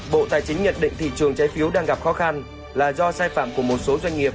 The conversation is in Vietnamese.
bộ tài chính nhận định thị trường trái phiếu đang gặp khó khăn là do sai phạm của một số doanh nghiệp